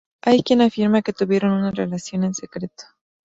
Hay quien afirma que tuvieron una relación en secreto.